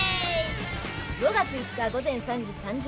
５月５日午前３時３０分。